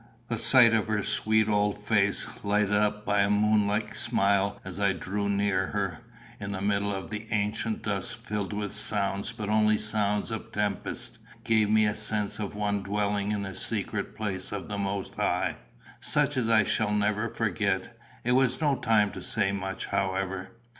The sight of her sweet old face, lighted up by a moonlike smile as I drew near her, in the middle of the ancient dusk filled with sounds, but only sounds of tempest, gave me a sense of one dwelling in the secret place of the Most High, such as I shall never forget. It was no time to say much, however.